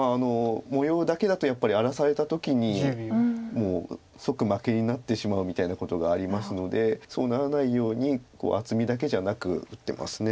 模様だけだとやっぱり荒らされた時にもう即負けになってしまうみたいなことがありますのでそうならないように厚みだけじゃなく打ってます。